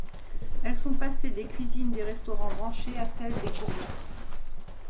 Elles sont passées des cuisines des restaurants branchés à celles des gourmets.